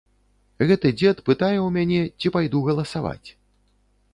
Гэты дзед пытае ў мяне, ці пайду галасаваць.